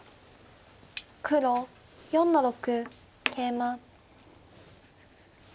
黒４の六ケイマ。